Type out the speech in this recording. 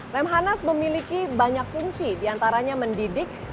lemhanas memiliki banyak fungsi diantaranya mendidik